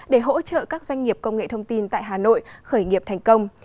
để hỗ trợ các doanh nghiệp công nghệ thông tin tại hà nội khởi nghiệp thành công